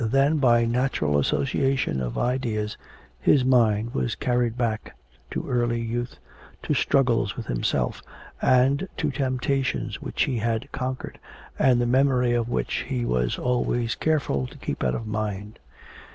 Then by natural association of idea his mind was carried back to early youth, to struggles with himself, and to temptations which he had conquered, and the memory of which he was always careful to keep out of mind.